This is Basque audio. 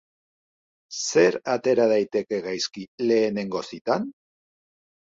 Zer atera daiteke gaizki lehenengo zitan?